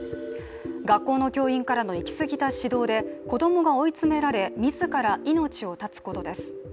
学校の教員からの行き過ぎた指導で子供が追い詰められ自ら命を絶つことです。